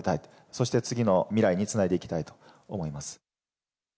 そして、次の未来につないでいきたいと思います。